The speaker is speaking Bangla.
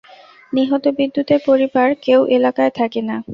নিহত বিদ্যুতের পরিবার কেউ এলাকায় থাকে না।